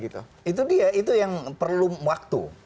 itu dia itu yang perlu waktu